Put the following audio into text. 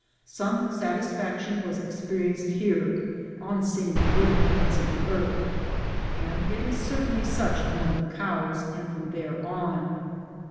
Some satisfac tion was experienced here on seeing the good appearance of the earth, and it is certainly such among the cows, and from there on.